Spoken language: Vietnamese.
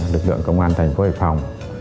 lực lượng công an thành phố hải phòng